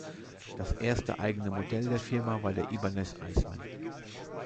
Das erste eigene Modell der Firma war die Ibanez Iceman.